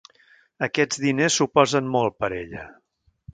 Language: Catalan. Aquests diners suposen molt per a ella.